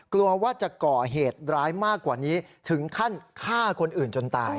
กลัวว่าจะก่อเหตุร้ายมากกว่านี้ถึงขั้นฆ่าคนอื่นจนตาย